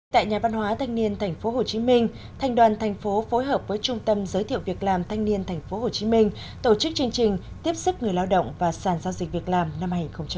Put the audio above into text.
tại nhà văn hóa thanh niên tp hcm thanh đoàn thành phố phối hợp với trung tâm giới thiệu việc làm thanh niên tp hcm tổ chức chương trình tiếp sức người lao động và sàn giao dịch việc làm năm hai nghìn một mươi chín